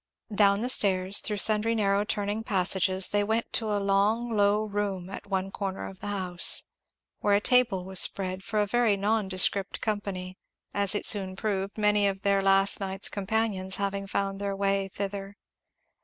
Down the stairs, through sundry narrow turning passages, they went to a long low room at one corner of the house; where a table was spread for a very nondescript company, as it soon proved, many of their last night's companions having found their way thither.